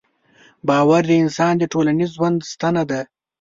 باور د انسان د ټولنیز ژوند ستنه ده.